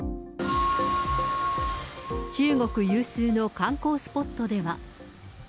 中国有数の観光スポットでは。